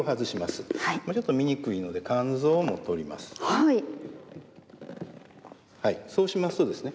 はいそうしますとですね